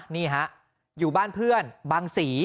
นี่ฮะอยู่บ้านเพื่อนบางศรี